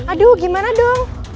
aduh gimana dong